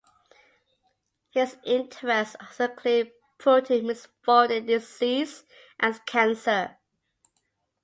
His interests also include protein misfolding, disease and cancer.